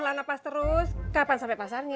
kalo mengelan nafas terus kapan sampe pasarnya